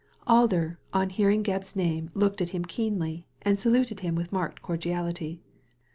Alder on hearing Gebb's name looked at him keenly, and saluted him with marked cordiality.